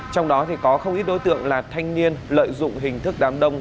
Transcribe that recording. trong đó có không ít đối tượng là thanh niên lợi dụng hình thức đám đông